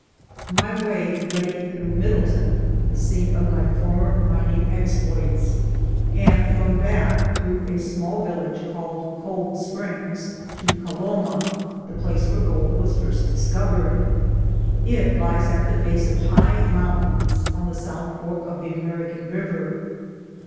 My way lay through Middletown, the scene of my former mining exploits, and from that through a small village, called Cold Springs, to Caloma, the place where gold was first discovered. It lies at the base of high mountains, on the south fork of the American River.